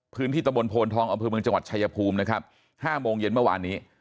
พื้นที่ตะบนโพนทองอบพื้นเมืองจังหวัดชายภูมินะครับห้าโมงเย็นเมื่อวานนี้